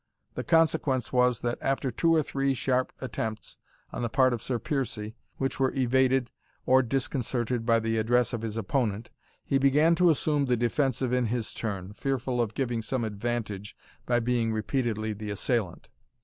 The consequence was, that after two or three sharp attempts on the part of Sir Piercie, which were evaded or disconcerted by the address of his opponent, he began to assume the defensive in his turn, fearful of giving some advantage by being repeatedly the assailant.